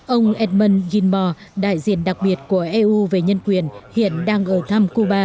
ông edmund gilmore đại diện đặc biệt của eu về nhân quyền hiện đang ở thăm cuba